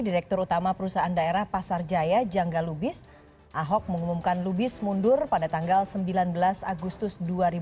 direktur utama perusahaan daerah pasar jaya jangga lubis ahok mengumumkan lubis mundur pada tanggal sembilan belas agustus dua ribu dua puluh